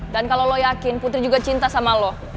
dan kalo lo yakin putri juga cinta sama lo